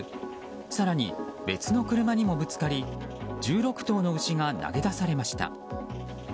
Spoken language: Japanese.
更に、別の車にもぶつかり１６頭の牛が投げ出されました。